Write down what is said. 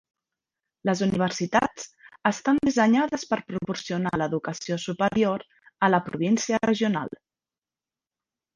Les universitats estan dissenyades per proporcionar l'educació superior a la província regional.